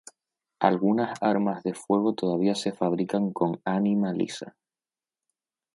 Algunas armas de fuego todavía se fabrican con ánima lisa.